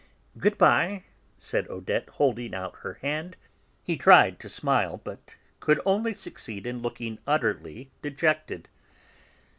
"Good bye," said Odette, holding out her hand. He tried hard to smile, but could only succeed in looking utterly dejected.